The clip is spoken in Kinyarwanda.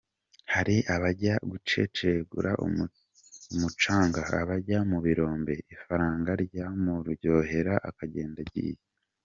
Hari abajya gucencura umucanga, abajya mu birombe, ifaranga ryamuryohera, akagenda agiye.